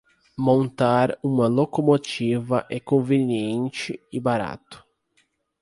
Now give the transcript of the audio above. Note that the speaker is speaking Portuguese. Montar uma locomotiva é conveniente e barato